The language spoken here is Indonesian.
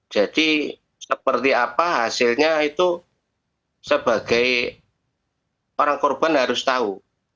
jadi seperti apa hasilnya itu sebagai orang korban harus tahu